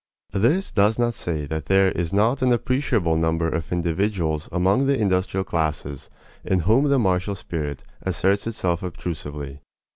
This does not say that there is not an appreciable number of individuals among the industrial classes in whom the martial spirit asserts itself obtrusively.